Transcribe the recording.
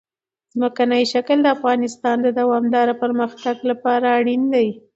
ځمکنی شکل د افغانستان د دوامداره پرمختګ لپاره اړین دي.